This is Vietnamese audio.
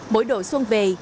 mỗi độ xuân về